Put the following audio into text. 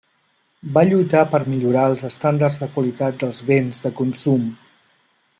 Va lluitar per millorar els estàndards de qualitat dels béns de consum.